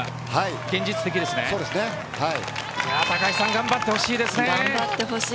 頑張ってほしいですね。